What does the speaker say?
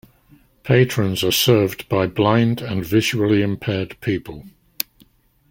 Patrons are served by blind and visually impaired people.